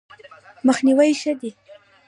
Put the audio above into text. مخنیوی ښه دی.